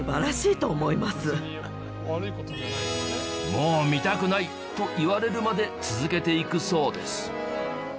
もう見たくないと言われるまで続けていくそうです。